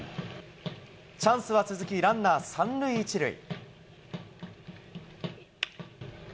チャンスは続き、ランナー３塁１塁。